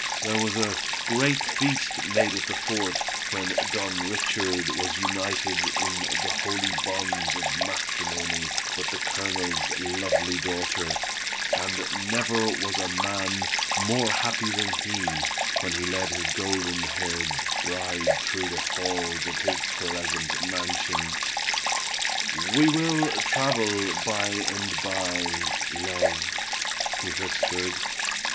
There was a great feast made at the fort, when Don Richard was united in the "holy bonds of matrimony" with the Colonel's lovely daughter, and never was man more happy than he, when he led his golden haired bride through the halls of his pleasant mansion. "We will travel by and by, love," he whispered.